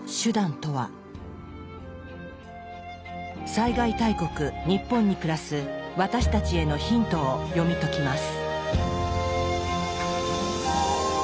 災害大国日本に暮らす私たちへのヒントを読み解きます。